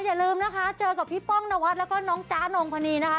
อย่าลืมนะครับเจอกับพี่ป้องนวัดและน้องจ้านงรณีนะคะ